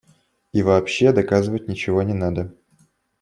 И вообще доказывать ничего не надо.